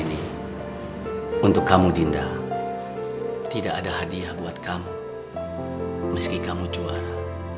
ini untuk kamu dinda tidak ada hadiah buat kamu meski kamu juara